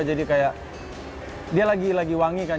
jadi kayak dia lagi wangi kan